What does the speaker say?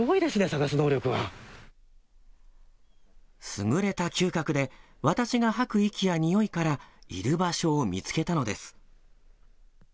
優れた嗅覚で私が吐く息や臭いからいる場所を見つけたのです。